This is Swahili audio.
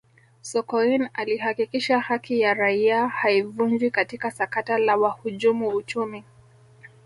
sokoine alihakikisha haki ya raia haivunjwi katika sakata la wahujumu uchumi